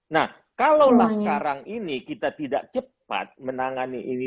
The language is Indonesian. nah kalaulah sekarang ini kita tidak cepat menangani ini